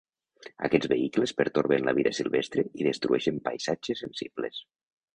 Aquests vehicles pertorben la vida silvestre i destrueixen paisatges sensibles.